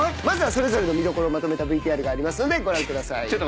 まずはそれぞれの見どころをまとめたＶＴＲがありますのでご覧ください。